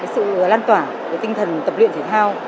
sự lan tỏa tinh thần tập luyện thể thao